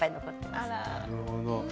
なるほど。